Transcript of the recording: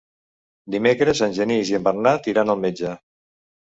Dimecres en Genís i en Bernat iran al metge.